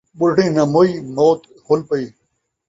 ٻڈھڑی ناں موئی، موت ہل پئی